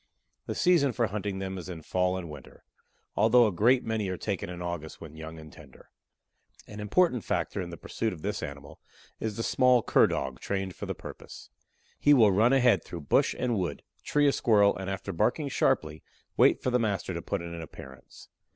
The season for hunting them is in fall and winter, although a great many are taken in August when young and tender. An important factor in the pursuit of this animal is the small Cur dog trained for the purpose. He will run ahead through bush and wood, tree a Squirrel, and after barking sharply, wait for the master to put in an appearance.